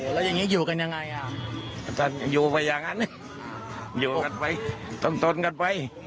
แล้วยังงี้อยู่กันยังไงอยู่ไปอย่างงั้นอยู่กันไปต้องต้นกันไป